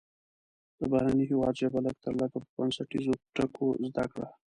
د بهرني هیواد ژبه لږ تر لږه په بنسټیزو ټکو زده کړه.